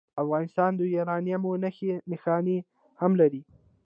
افغانستان د یورانیم نښې نښانې هم لري.